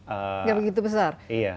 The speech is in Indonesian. enggak begitu besar iya